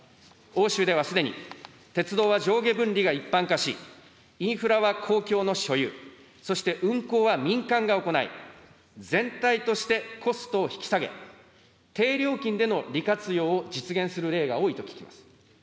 欧州ではすでに、鉄道は上下分離が一般化し、インフラは公共の所有、そして運行は民間が行い、全体としてコストを引き下げ、低料金での利活用を実現する例が多いと聞きます。